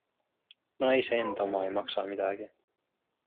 Naise enda oma ei maksa midagi?